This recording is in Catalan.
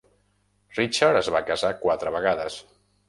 Richard es va casar quatre vegades.